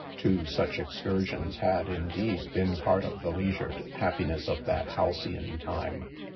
" Two such excursions had, indeed, been part of the leisured happiness of that halcyon time.